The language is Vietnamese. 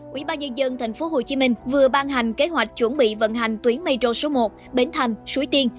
quỹ ba nhân dân thành phố hồ chí minh vừa ban hành kế hoạch chuẩn bị vận hành tuyến metro số một bến thành suối tiên